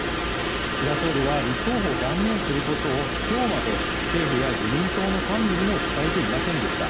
菅総理は立候補を断念することを、きょうまで政府や自民党の幹部にも伝えていませんでした。